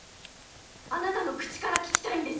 あなたの口から聞きたいんです！